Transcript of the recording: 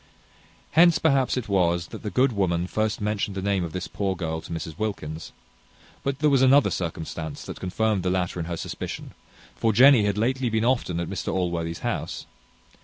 Hence, perhaps, it was, that the good woman first mentioned the name of this poor girl to Mrs Wilkins; but there was another circumstance that confirmed the latter in her suspicion; for Jenny had lately been often at Mr Allworthy's house.